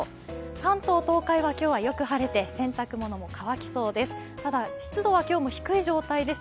関東・東海は今日はよく晴れて洗濯物も乾きそうです。